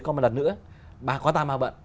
có một lần nữa có ta mà bận